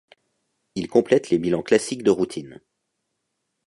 Il complète les bilans classiques de routine.